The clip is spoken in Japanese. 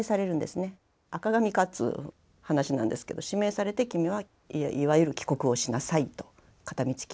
赤紙かっつう話なんですけど指名されて君はいわゆる帰国をしなさいと片道切符で。